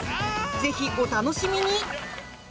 ぜひお楽しみに！